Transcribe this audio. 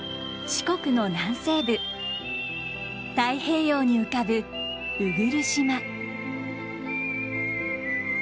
四国の南西部太平洋に浮かぶ鵜来島。